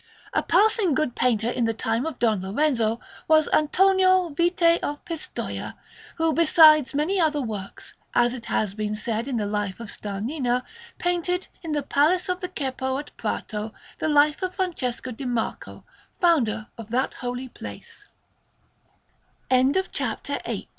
A passing good painter in the time of Don Lorenzo was Antonio Vite of Pistoia, who, besides many other works as it has been said in the Life of Starnina painted, in the Palace of the Ceppo at Prato, the life of Francesco di Marco, founder of th